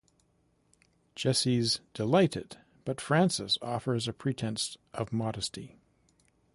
Jessie's delighted but Frances offers a pretense of modesty.